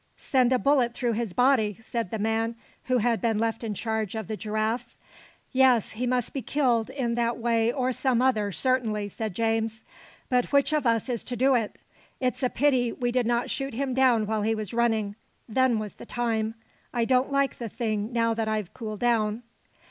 "Send a bullet through his body," said the man who had been left in charge of the giraffes. "Yes; he must be killed in that way or some other, certainly," said James; "but which of us is to do it? It's a pity we did not shoot him down while he was running. Then was the time. I don't like the thing, now that I've cooled down."